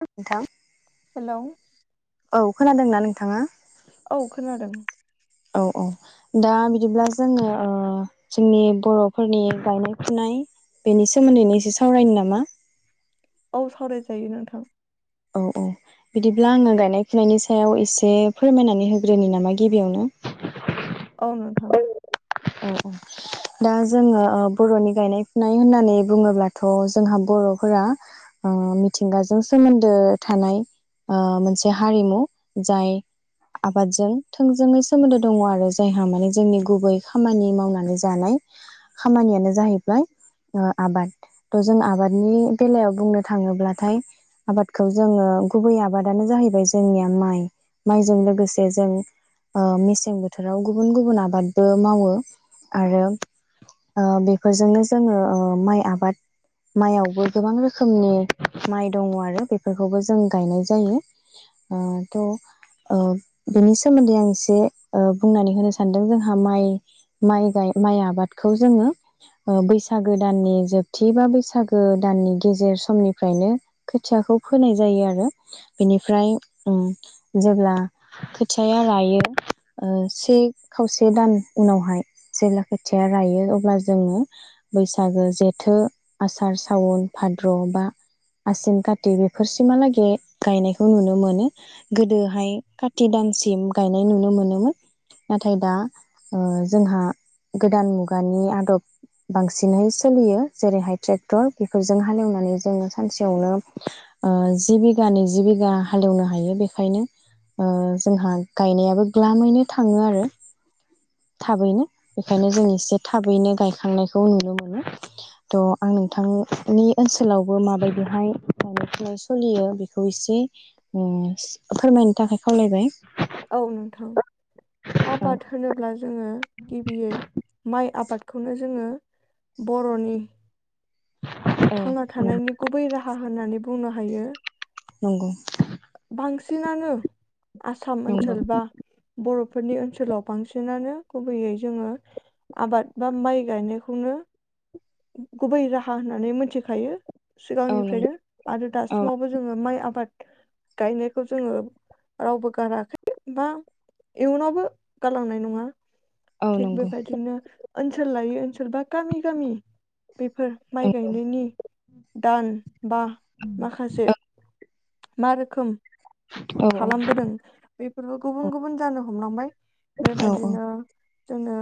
नोंथां हेलौ औ खोनादोंना नोंथाङा औ खोनादों औ औ दा बिदिब्ला जोङो ओ जोंनि बर'फोरनि गायनाय फुनाय बेनि सोमोन्दैनो एसे सावरायनि नामा औ सावरायजायो नोंथां औ औ बिदिब्ला आङो गायनाय फुनायनि सायाव एसे फोरमायनानै होग्रोनि नामा गिबियावनो औ नोंथां औ औ दा जोङो ओ बर'नि गायनाय फुनाय होननानै बुङोब्लाथ' जोंहा बर'फोरा ओ मिथिंगाजों सोमोन्दो थानाय ओ मोनसे हारिमु जाय आबादजों थोंजोङै सोमोन्दो दङ आरो जायहा माने जोंनि गुबै खामानि मावनानै जानाय खामानियानो जाहैबाय ओ आबाद थ' जों आबादनि बेलायाव बुंनो थाङोब्लाथाय आबादखौ जोङो गुबै आबादानो जाहैबाय जोंनिया माइ माइजों लोगोसे जों ओ मेसें बोथोराव गुबुन गुबुन आ बादबो मावो आरो ओ बेफोरजोंनो जोङो ओ माइ आबाद माइयावबो गोबां रोखोमनि माइ दङ आरो बेफोरखौबो जों गायनाय जायो ओ थ' ओ बेनि सोमोन्दै आं एसे ओ बुंनानै होनो सानदों जों हा माइ माइगाय माइ आबादखौ जोङो ओ बैसागो दाननि जोबथि बा बैसागो दाननि गेजेर समनिफ्रायनो खोथियाखौ फोनाय जायो आरो बेनिफ्राय उम जेब्ला खोथियाया रायो ओ से खाव बे दान उनावहाय जेब्ला खोथिया रायो अब्ला जोङो बैसागो जेथो आसार सावन भाद्र' बा आसिन काति बेफोरसिमहालागे गायनायखौ नुनो मोनो गोदोहाय काति दानसिम गायनाय नुनो मोनोमोन नाथाय दा ओ जोंहा गोदान मुगानि आदब बांसिनहै सोलियो जेरैहाय ट्रेक्टर बेफोरजों हालेवनानै जोङो सानसेयावनो ओ जि बिघानि जिबिघा हालेवनो हायो बेखायनो ओ जोंहा गायनायाबो ग्लामैनो थाङो आरो थाबैनो बेखायनो जों एसे थाबैनो गायखांनायखौ नुनो मोनो थह आं नोंथांनि ओनसोलावबो माबायदिहाय गायनाय फुनाय सोलियो बेखौ एसे होम फोरमायनो थाखाय खावलायबाय औ नोंथां औ आबाद होनोब्ला जोङो गिबियै माइ आबादखौनो जोङो बर'नि औ थांना थानायनि गुबै राहा होननानै बुंनो हायो नंगौ सिनानो आसाम नंगौ ओनसोल बा बर' बेफोरनि ओनसोलाव बांसिनानो गुबैयै जोङो आबाद बा माइ गायनायखौनो गुबै राहा होननानै मिथिखायो औ नंगौ सिगांनिफ्रायनो आरो औ दासिमावबो जोङो माइ आबाद गायनायखौ जोङो रावबो गाराखै बा इयुनावबो गारलांनाय नङा औ थिक नंगौ बेबादिनो ओनसोल लायै ओनसोल बा गामि गामि बेफोर औ माइ गायनायनि दान बा माखासे मा रोखोम औ खालामबोदों बेफोरबो औ गुबुन गुबुन जानो हमलांबाय औ बेबायदिनो जोङो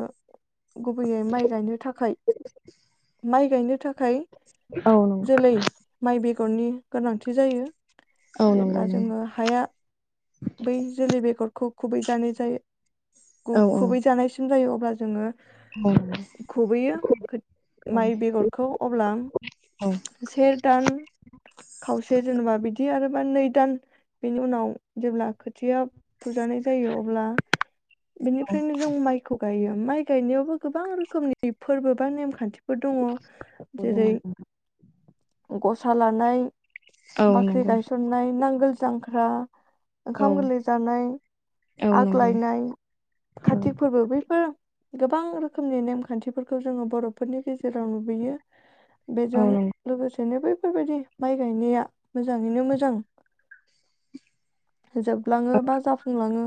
गुबैयै माइ गायनो थाखाय माइ गायनो थाख थाखाय औ नंगौ जोलै माइ बेगर बेगरनि गोनांथि जायो। औ नंगौ जेब्ला नंगौ जोङो हाया बै जोलै बेगरखौ खुबै जानाय जायो। गु औ खुबै जानायसिम जायो। औ अब्ला जोङो औ खुबैयो खोथ माइ बेगरखौ। अब्ला से दान खावसे जेनबा बिदिनो बिदि आरोबा नै दान बेनि उनाव जेब्ला खोथिया फुजा होनाय जायो। अब्ला बेनिफ्रायनो जों माइखौ गायो। माइ गायनायावबो गोबां रोखोमनि फोरबो बा नेमखान्थिफोर दङ। औ दङ जेरै ओरैनो गसा लानाय औ बाख्रि नंगौ गायसननाय नांगोल जां हा औ ओंखाम नंगौ गोरलै जानाय औ नंगौ आग्लायनाय कार्तिक फोरबो बैफोर गोबां रोखोमनि नेमखान्थिफोरखौ जोङो बर'फोरनि गेजेराव नुबोयो बेजों औ लोगोसेनो बै बेफोरबायदि माइ गायनाया मोजाङैनो मोजां जोबलाङो बा जाफुंलाङो।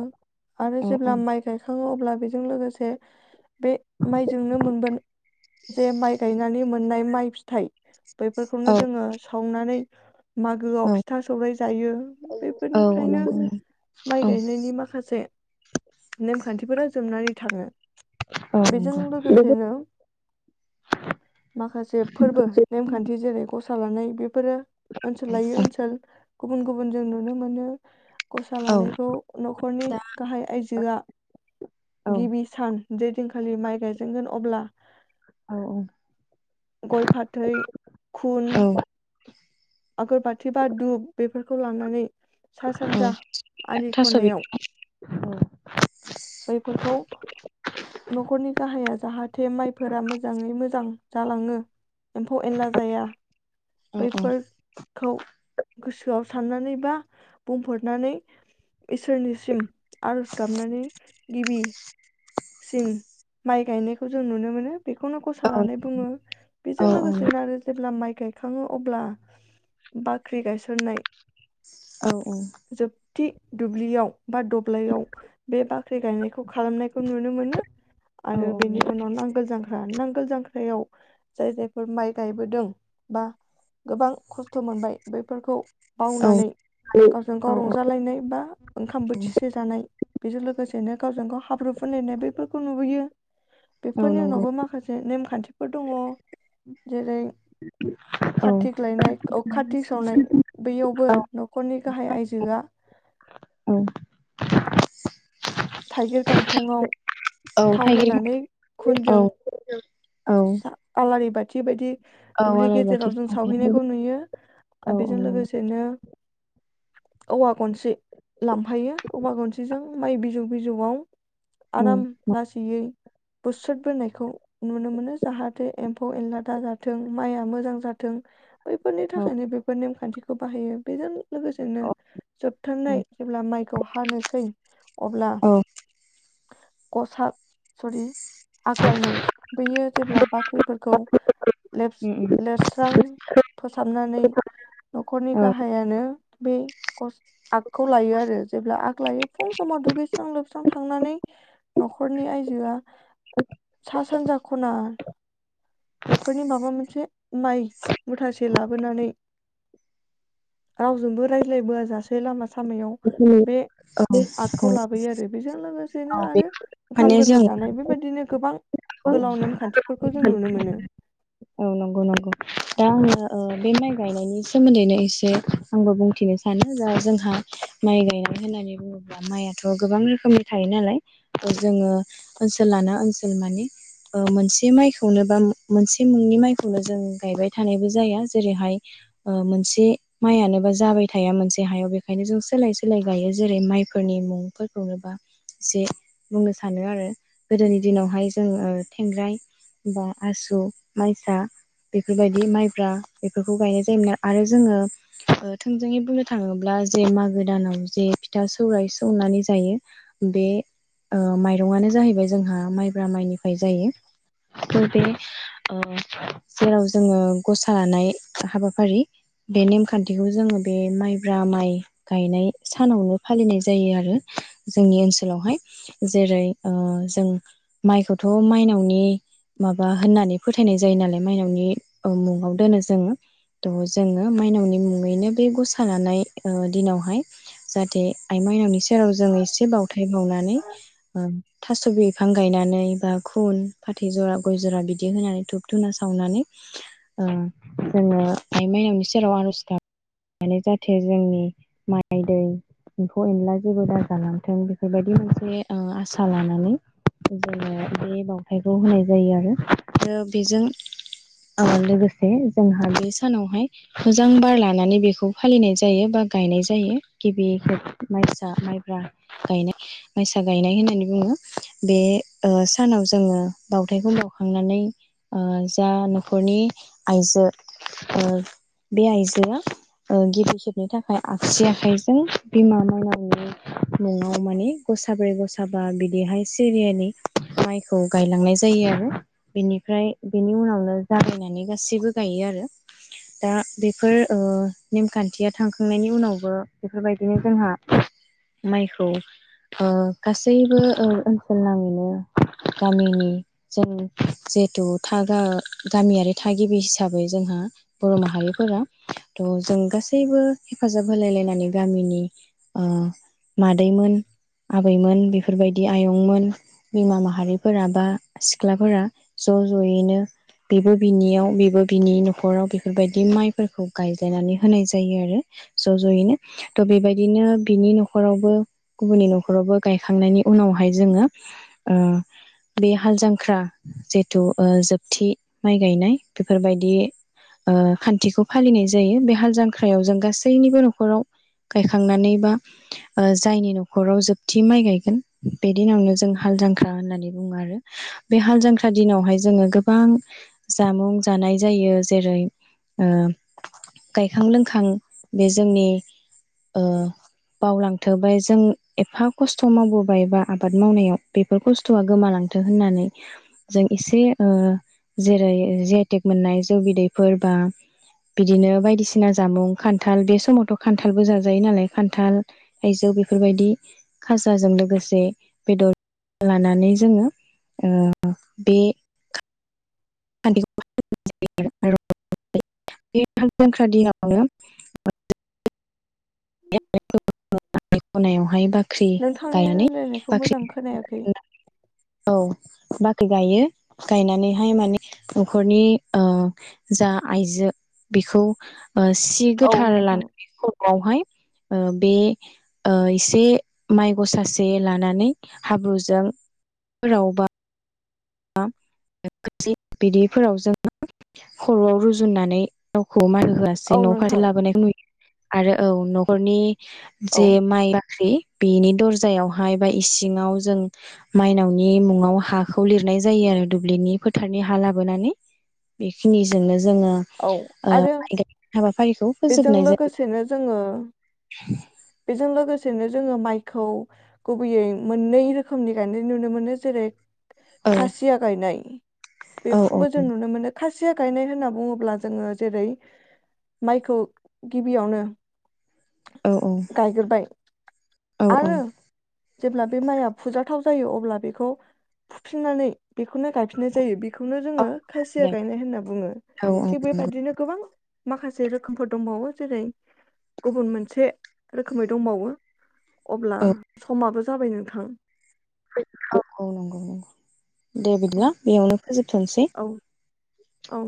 आरो औ औ जेब्ला माइ गायखाङो अब अब्ला बेजों लोगोसे बे माइजोंनो मोनगोन जे माइ गायनानै मोननाय माइ फिथाइ बैफोरखौनो जोङो सावनानै मागोआव औ फिथा सौरायाइ जायो। नंगौ औ बेफोरनिफ्रायनो नंगौ औ माइ गायनायनि माखासे नेमखान्थिफोरा जोबनानै थाङो। औ बेजों नंगौ लोगोसेनो माखासे फोरबो नेमखान्थि जेरै गसा लानाय बेफोरो ओनसोल लायै ओनसोल गुबुन गुबुन जों नुनो मोनो। गसा लानायखौ न'खरनि दा गाहाय आइजोआ औ गिबि सान जे दिनखालि माइ गायजेनगोन अब्ला औ औ गय फाथै खुन औ [inaudible] आगोर बाथि बा दधुुब बेफोरखौ लानानै सा औ सानजा आलि थास' बि खनायाव बेैफोरखौ नखरनि गाहाया जाहाथे बे जाहाथे माइफोरा मोजाङै मोजां जालाङो एम्फौ एनला जाया औ औ बेैफोर खौ गोसोआव साननानै बा बुंफोरनानै इसोरनिसिम आर'ज गाबनानै गिबि सिम माइ गायनायखौ जों नुनो मोनो। बेखौनो गसा औ लानानै बुङो औ बेजों औ लोगोसेनो आरो जेब्ला माइ गायखाङो अब्ला बाख्रि गायसननाय जोबथि दुब्लियाव बा दब्लयाव बे बाख्रि गायनायखौ खालामनाय खौ नुनो मोनो औ आरो बेनि उनाव नांगोल जांख्रा नांगोल जांख्रायाव जाय जायफोर माइ गायबोदों बा गोबां खस्थ' मोनबाय बैफोरखौ औ बावनानै गावजों गाव र जालायनाय बा ओंखाम बोथिसे जानाय बेजों लोगोसे गावजों गाव हाब फुरु फुनायनाय बेफोरखौ नुबोयो औ बेफोरनि नंगौ उनावबो माखासे नेमखान्थिफोर दङ जेरै औ कार्तिक लायनाय औ कार्तिक सावनाय बैयावबो औ न'खरनि गाहाय आइजोआ थाइगिर गांखंआव औ थाव होनानै थाइगिर औ खुनजों औ आलारि बाथ जिबायदि औ दुब्लि आलारि बाथि गेजेराव जों सावहैयो सावहैनायखौ नुयो औ आरो बेजों नंगौ लोगोसेनो औवा गनसि लांफायो औवा गनसिजों माइ बिजौ बिजौआव उम आराम लासैयै बुस्रोद बोनायखौ नुनो मोनो जाहाथे एम्फौ एनला दा जाथों माइया मोजां जाथों बैफोरनि औ थाखायनो बेफोर नेमखान्थिखौ बाहायो बेजों लोगोसेनो औ जोबथारनाय जेब्ला माइखौ हानोसै अब्ला औ गसाद सरि आग्लायनाय बेयो जेब्ला बाख्रिफोरखौ लिर उम लिरस्रां फोसाबनानै नखरनि औ गाहायानो बे गस आगखौ लायो आरो जेब्ला आग लायो। फुं समाव दुगैस्रां लोबस्रां थांनानै नखरनि आइजोआ सा सानजा खना बेफोरनि माबा मोनसे माइ मुथासे लाबोनानै रावजोंबो रायज्लायबोआ जासे लामा सामायाव बेखौ बे आगखौ लाबोयो आरो। बेजों लोगोसे बिदिनो आरो ओंखाम माने गोरलै जों जानाय बेबायदिनो गोबां गोलाव नेमखान्थिफोरखौ जों नुनो मोनो [unintelligible] ओ बे माइ गायनायनि सोमोन्दैनो एसे आंबो बुंथिनो सानो दा जोंहा माइ गायनाय होननानै बुङोब्ला माइआथ' गोबां रोखोमनि थायो नालाय जोङो ओनसोलानो ओनसोल मानि ओ मोनसे माइखौनो बा मोनसे मुंनि माइखौनो जों गायबाय थानायबो जाया ओ जेरैहाय मोनसे माइनोबा जाबाय थाया मोनसे हायाव बेखायनो जों सोलाय सोलाय गायो जेरै माइफोरनि मुंफोरखौनोबा एसे बुंनो सानो आरो गोदोनि दिनावहाय जोंङो ओ थेंग्राय बा आसु माइसा बेफोरबायदि माइब्रा बेफोरखौ गायनाय जायोमोन आरो जोङो ओ थोंजोङै बुंनो थाङोब्ला जे मागो दानाव जे फिथा सौराइ सौनानै जायो बे ओ माइरंआनो जाहैबाय जोंहा माइब्रा माइनिफ्राय जायो [unintelligible] जेराव जोङो गसा लानाय हाबाफारि बे नेमखान्थिखौ जोङो बे माइब्रा माइ गायनाय सानावनो फालिनाय जायो आरो जोंनि ओनसोलावहाय जेरै ओ जों माइखौ थ' माइनावनि माबा होननानै फोथायनाय जायो नालाय मायनावनि मुङाव दोनो जोङो थ जोङो मायनावनि मुङैनो बे गसा लानाय दिनावहाय जाहाथे आइ माइनावनि सेराव जों एसे बावथाय बावनानै थास' बिफां गायनानै फा खुन फाथै जरा गय जरा बिदि होनानै धुप धुना सावनानै ओ जोङो आइ माइनावनि सेराव आर'ज गाबनानै जाहाथे जोंनि माइ दै एम्फौ एनला जेबो दाजालांथों बेफोरबायदि मोनसे ओ आसा लानानै जोङो बे बावथायखौ होनाय जायो आरो बेजों लोगोसे जोंहा बे सानावहाय मोजां बार लानानै बेखौ फालिनाय जायो बा गायनाय जायो गिबि खेब माइसा माइब्रा गायनाय माइसा गायनाय होननानै बुङो बे ओ सानाव जोङो बाउथायखौ बाउखांनानै जा नखरनि आइजो बे आइजोआ गिबि खेबनि थाखाय आगसि आखाइजों बिमा माइनावनि मुङाव माने गसाब्रै गसाबा बिदिहाय सिरियालै माइखौ गायलांनाय जायो आरो बेनिफ्राय बेनि उनावनो जागायनानै गासैबो गायो आरो। दा बेफोर ओ नेमखान्थिया थांखांनायनि उनावबो बेफोरबायदिनो जोंहा माइखौ गासैबो ओनसोल नाङैनो गामिनि जों जिहेथु गामियारि थागिबि हिसाबै जोंहा बर' माहारिफोरा थ' जों गासैबो हेफाजाब होलायलायनानै गामिनि मादैमोन आबैमोन बेफोरबायदि आयंमोन बिमा माहारिफोरा बा सिख्लाफोरा ज जयैनो बेबो बिनियाव बेबो बिनि नखराव बेफोरबायदि माइफोरखौ गायलायनानै होनाय जायो आरो ज जयैनो थ बेबायदिनो बिनि नखरावबो गुबुननि नखरावबो गायखांनायनि उनावहाय जोङो बे हाल जांख्रा जिहेथु जोबथि माइ गायनाय बेफोरबायदि खान्थिखौ फालिनाय जायो। बे हाल जांख्रायाव जों गासैनिबो नखराव गायखांनानै बा जायनि नखराव जोबथि माइ गायगोन बे दिनावनो जों हाल जां जांख्रा होननानै बुङो आरो बे हाल जांख्रा दिनावहाय जोङो गोबां जामुं जानाय जायो। जेरै ओ गायखां लोंखां बे जोंनि ओ बावलांथो बा जों एफा खस्थ मावबोबायबा आबाद मावनायाव बेफोर खस्थया गोमालांथों होननानै जों एसे जेरै जि आइ टेग मोननाय जौ बिदैफोर बा बिदिनो बायदिसिना जामुं खान्थाल बे समावथ खान्थालबो जाजायो नालाय खान्थाल थायजौ बेफोरबायदि खाजाजों लोगोसे बेदर लानानै जोङो उम बे [unintelligible] होनायावहाय बा नोंथांनि रायलायनायखौ मोजां खोनायाखै। औ बाख्रि गायो। गायनानैहाय माने नखरनि ओ जा आइजो बिखौ सि औ गोथार नोंथां लानानैखौ बावहाय बे ओ इसे माइ गसासे लानानै हाब्रुजों सोराव बा बिदिफोराव जोङो खरयाव रुजुननानै मायनावखौ मा होआसै औ न फारसे नोंथां लाबोनायखौ नुयो। आरो औ नखरनि औ जे माइ बाख्रि बेनि दरजायावहाय बा इसिङाव जों मायनावनि मुङाव हाखौ लिरनाय जायो आरो दुब्लिनि फोथारनि हा लाबोनानै बेखिनिजोंनो जोङो औ ओ आरो हाबाफारिखौ बेजों फोजोबनाय लोगोसेनो जोङो जायो। बेजों लोगोसेनो जोङो माइखौ गुबैयै मोननै रोखोमनि गायनाय नुनो मोनो। जेरै औ खासिया गायनाय औ औ बेखौबो जों नुनो मोनो। खा खासिया गायनाय होनना बुङोब्ला जोङो जेरै माइखौ गिबियावनो औ गायग्रोबाय औ औ आरो जेब्ला बे माइआ फुजाथाव जायो अब्ला बेखौ फुफिननानै बेफोर बेखौनो गायफिननाय जायो। बेखौनो औ जोङो खासिया गायनाय होनना औ औ बुङो। नंगौ बेबादिनो गोबां माखासे रोखोमफोर दंबावो जेरै गुबुन मोनसे रोखोमै दंबावो। अब्ला औ समाबो जाबाय नोंथां। नोंथां औ औ नंगौ नंगौ दे औ बिदिब्ला बेयावनो फोजोबथनोसै। औ औ